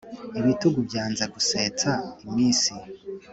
Ibitugu byanze gusetsa iminsi,